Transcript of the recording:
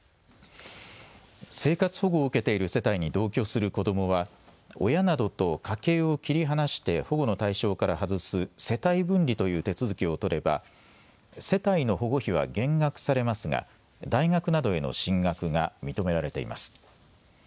生活保護を受けている世帯に同居する子どもは、親などと家計を切り離して保護の対象から外す世帯分離という手続きを取れば世帯の保護費は減額されますが大学などへの進学が認められています。